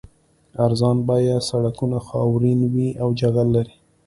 ارزان بیه سړکونه خاورین وي او جغل لري